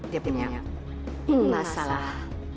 dia punya masalah